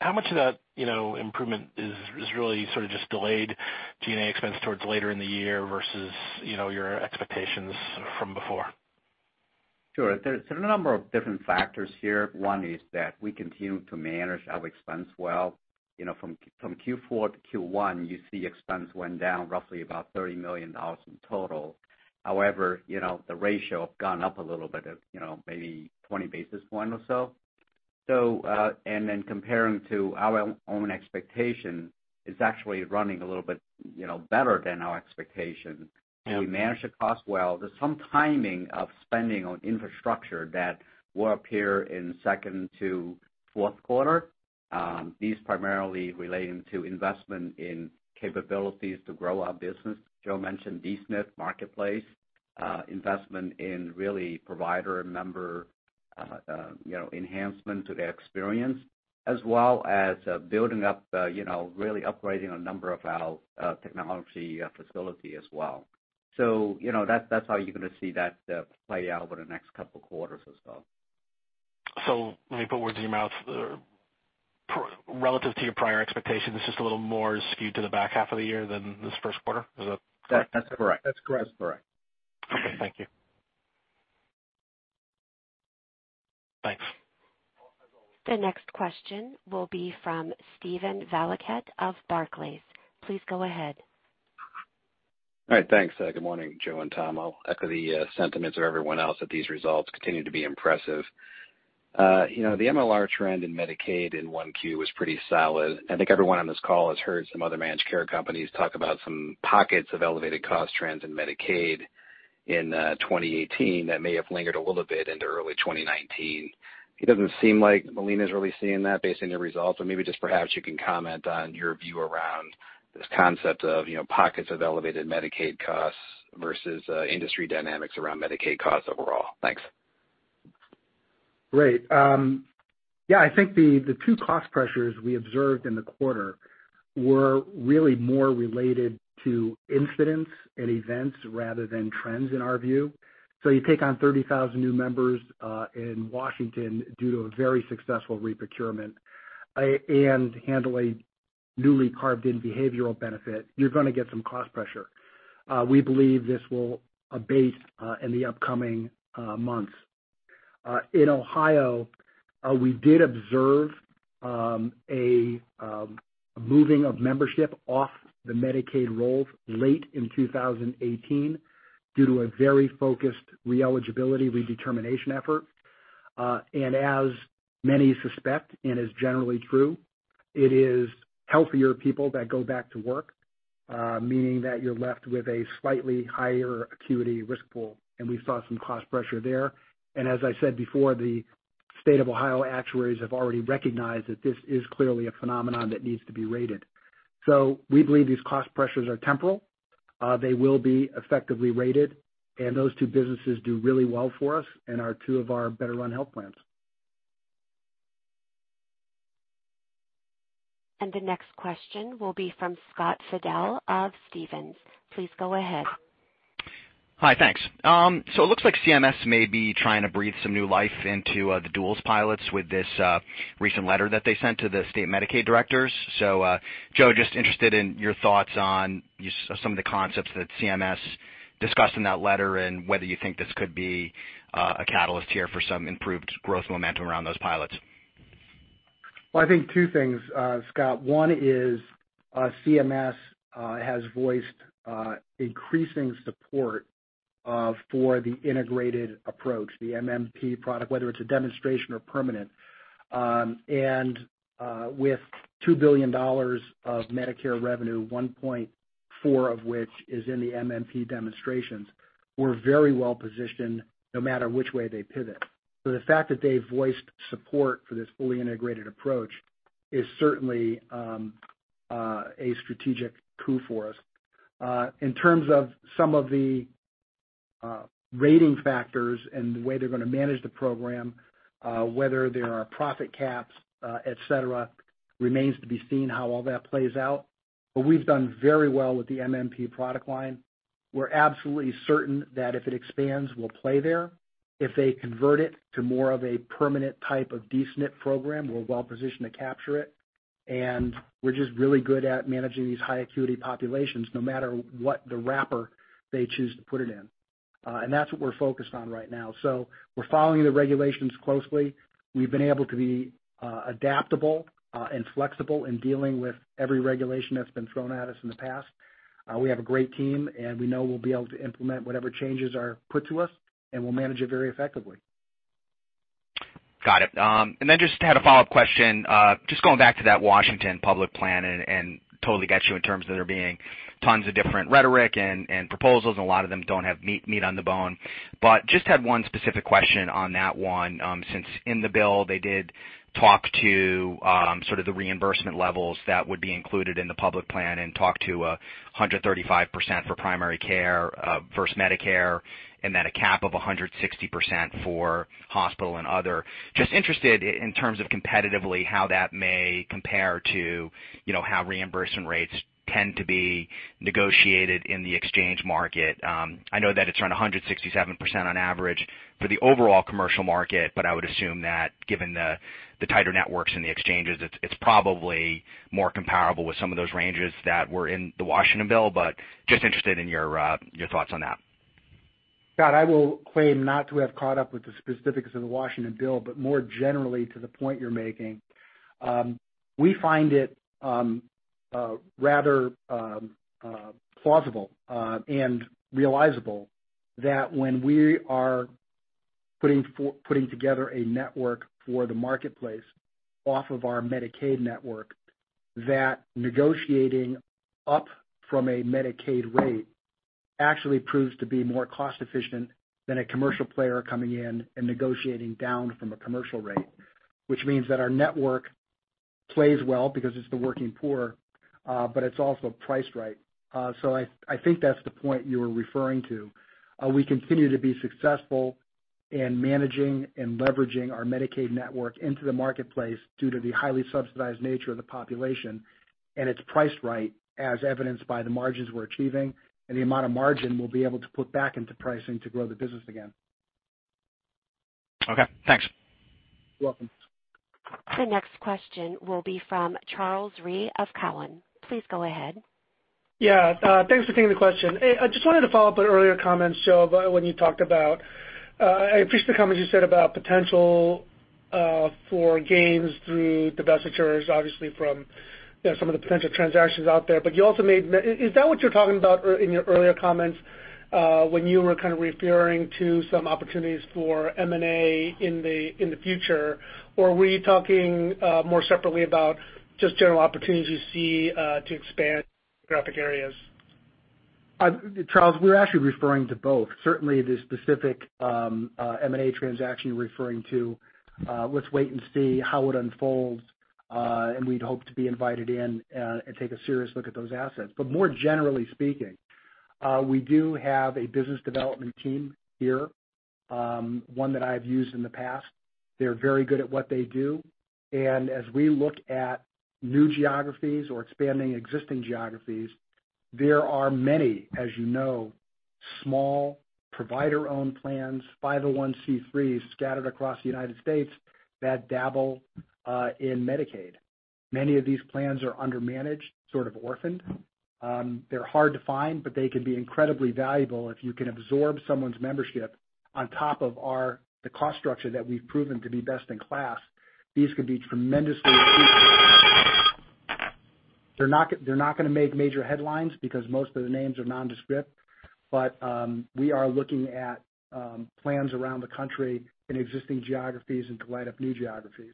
how much of that improvement is really sort of just delayed G&A expense towards later in the year versus your expectations from before? Sure. There's a number of different factors here. One is that we continue to manage our expense well. From Q4 to Q1, you see expense went down roughly about $30 million in total. However, the ratio have gone up a little bit of maybe 20 basis points or so. Comparing to our own expectation, it's actually running a little bit better than our expectation. Yeah. We managed the cost well. There's some timing of spending on infrastructure that will appear in second to fourth quarter. These primarily relating to investment in capabilities to grow our business. Joe mentioned D-SNP Marketplace, investment in provider member enhancement to their experience, as well as building up, upgrading a number of our technology facility as well. That's how you're going to see that play out over the next couple of quarters as well. Let me put words in your mouth. Relative to your prior expectation, it's just a little more skewed to the back half of the year than this first quarter. Is that correct? That's correct. That's correct. That's correct. Okay. Thank you. Thanks. The next question will be from Steven Valiquette of Barclays. Please go ahead. All right, thanks. Good morning, Joe and Tom. I'll echo the sentiments of everyone else that these results continue to be impressive. The MLR trend in Medicaid in 1Q was pretty solid. I think everyone on this call has heard some other managed care companies talk about some pockets of elevated cost trends in Medicaid in 2018 that may have lingered a little bit into early 2019. It doesn't seem like Molina's really seeing that based on your results. Maybe just perhaps you can comment on your view around this concept of pockets of elevated Medicaid costs versus industry dynamics around Medicaid costs overall. Thanks. Great. Yeah, I think the two cost pressures we observed in the quarter were really more related to incidents and events rather than trends, in our view. You take on 30,000 new members in Washington due to a very successful re-procurement and handle a newly carved-in behavioral benefit, you're going to get some cost pressure. We believe this will abate in the upcoming months. In Ohio, we did observe a moving of membership off the Medicaid rolls late in 2018 due to a very focused re-eligibility redetermination effort. As many suspect, and is generally true, it is healthier people that go back to work, meaning that you're left with a slightly higher acuity risk pool, and we saw some cost pressure there. As I said before, the state of Ohio actuaries have already recognized that this is clearly a phenomenon that needs to be rated. We believe these cost pressures are temporal. They will be effectively rated, those two businesses do really well for us and are two of our better run health plans. The next question will be from Scott Fidel of Stephens. Please go ahead. Hi, thanks. It looks like CMS may be trying to breathe some new life into the duals pilots with this recent letter that they sent to the state Medicaid directors. Joe, just interested in your thoughts on some of the concepts that CMS discussed in that letter and whether you think this could be a catalyst here for some improved growth momentum around those pilots. I think two things, Scott. One is CMS has voiced increasing support for the integrated approach, the MMP product, whether it's a demonstration or permanent. With $2 billion of Medicare revenue, 1.4 of which is in the MMP demonstrations, we're very well-positioned no matter which way they pivot. The fact that they voiced support for this fully integrated approach is certainly a strategic coup for us. In terms of some of the rating factors and the way they're going to manage the program, whether there are profit caps, et cetera, remains to be seen how all that plays out. We've done very well with the MMP product line. We're absolutely certain that if it expands, we'll play there. If they convert it to more of a permanent type of D-SNP program, we're well-positioned to capture it. We're just really good at managing these high acuity populations no matter what the wrapper they choose to put it in. That's what we're focused on right now. We're following the regulations closely. We've been able to be adaptable and flexible in dealing with every regulation that's been thrown at us in the past. We have a great team, and we know we'll be able to implement whatever changes are put to us, and we'll manage it very effectively. Got it. Just had a follow-up question. Just going back to that Washington public plan and totally get you in terms of there being tons of different rhetoric and proposals, and a lot of them don't have meat on the bone. Just had one specific question on that one, since in the bill they did talk to sort of the reimbursement levels that would be included in the public plan and talk to 135% for primary care versus Medicare, and then a cap of 160% for hospital and other. Just interested in terms of competitively how that may compare to how reimbursement rates tend to be negotiated in the exchange market. I know that it's around 167% on average for the overall commercial market, but I would assume that given the tighter networks and the exchanges, it's probably more comparable with some of those ranges that were in the Washington bill. Just interested in your thoughts on that. Scott, I will claim not to have caught up with the specifics of the Washington bill, but more generally to the point you're making. We find it rather plausible and realizable that when we are putting together a network for the Marketplace off of our Medicaid network, that negotiating up from a Medicaid rate actually proves to be more cost efficient than a commercial player coming in and negotiating down from a commercial rate, which means that our network plays well because it's the working poor, but it's also priced right. I think that's the point you were referring to. We continue to be successful in managing and leveraging our Medicaid network into the Marketplace due to the highly subsidized nature of the population, and it's priced right, as evidenced by the margins we're achieving and the amount of margin we'll be able to put back into pricing to grow the business again. Okay, thanks. You're welcome. The next question will be from Charles Rhyee of Cowen. Please go ahead. Yeah, thanks for taking the question. Hey, I just wanted to follow up on earlier comments, Joe, I appreciate the comments you said about potential for gains through divestitures, obviously from some of the potential transactions out there. Is that what you're talking about in your earlier comments, when you were kind of referring to some opportunities for M&A in the future? Or were you talking more separately about just general opportunities you see to expand geographic areas? Charles, we're actually referring to both. Certainly the specific M&A transaction you're referring to. Let's wait and see how it unfolds. We'd hope to be invited in, and take a serious look at those assets. More generally speaking, we do have a business development team here, one that I've used in the past. They're very good at what they do. As we look at new geographies or expanding existing geographies, there are many, as you know, small provider-owned plans, 501(c)(3)s scattered across the U.S. that dabble in Medicaid. Many of these plans are under-managed, sort of orphaned. They're hard to find, but they can be incredibly valuable if you can absorb someone's membership on top of the cost structure that we've proven to be best in class. These could be They're not going to make major headlines because most of the names are nondescript, but we are looking at plans around the country in existing geographies and to light up new geographies.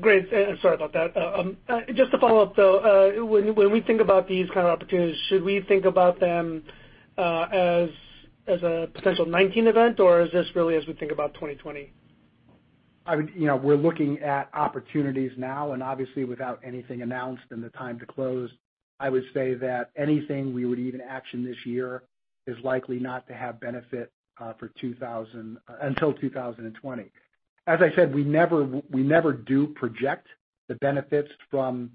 Great. Sorry about that. Just to follow up, though, when we think about these kind of opportunities, should we think about them as a potential 2019 event, or is this really as we think about 2020? We're looking at opportunities now, and obviously without anything announced and the time to close, I would say that anything we would even action this year is likely not to have benefit until 2020. As I said, we never do project the benefits from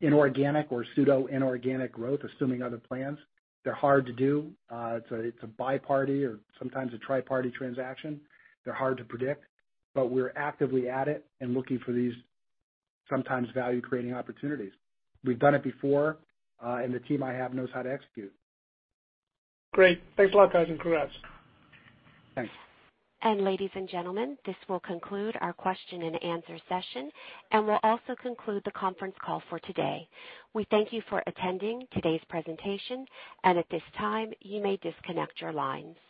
inorganic or pseudo inorganic growth, assuming other plans. They're hard to do. It's a bi-party or sometimes a tri-party transaction. They're hard to predict, but we're actively at it and looking for these sometimes value-creating opportunities. We've done it before, and the team I have knows how to execute. Great. Thanks a lot, guys. Congrats. Thanks. Ladies and gentlemen, this will conclude our question and answer session. Will also conclude the conference call for today. We thank you for attending today's presentation. At this time, you may disconnect your line.